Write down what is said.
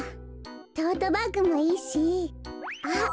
トートバッグもいいしあっ